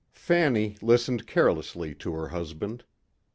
14 Fanny listened carelessly to her husband.